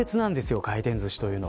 回転ずしというのは。